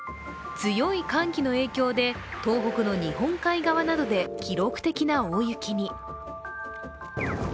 強い寒気の影響で東北の日本海側などで記録的な大雪に。